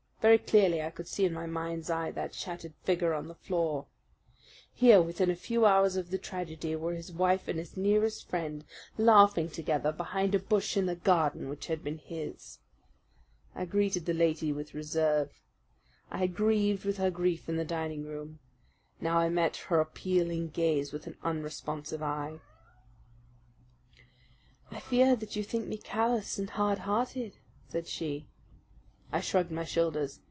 Very clearly I could see in my mind's eye that shattered figure on the floor. Here within a few hours of the tragedy were his wife and his nearest friend laughing together behind a bush in the garden which had been his. I greeted the lady with reserve. I had grieved with her grief in the dining room. Now I met her appealing gaze with an unresponsive eye. "I fear that you think me callous and hard hearted," said she. I shrugged my shoulders.